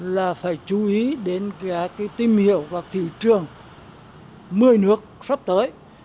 là phải chú ý đến cái tìm hiểu và thị trường mười nước sắp tới